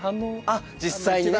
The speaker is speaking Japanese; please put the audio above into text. あっ実際に。